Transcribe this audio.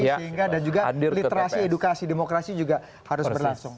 sehingga dan juga literasi edukasi demokrasi juga harus berlangsung